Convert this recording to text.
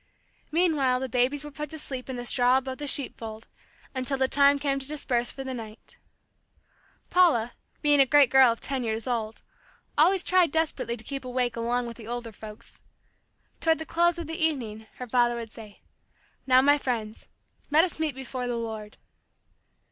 Meanwhile the babies were put to sleep in the straw above the sheep fold, until the time came to disperse for the night Paula, being a great girl of ten years old, always tried desperately to keep awake along with the older folks. Toward the close of the evening, her father would say, "Now, my friends, let us meet before the Lord."